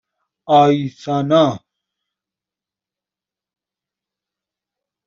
آیسانا